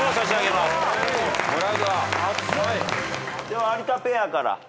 では有田ペアから。